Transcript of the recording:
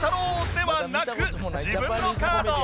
ではなく自分のカード